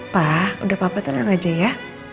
pak udah papa tenang aja ya